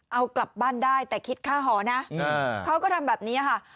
เอากลับบ้านได้แต่คิดค่าหอนะเขาก็ทำแบบนี้ค่ะ